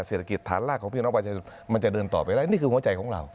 เศรษฐกิจฐานรากของพี่น้องประชาชนมันจะเดินต่อไปได้นี่คือหัวใจของเรา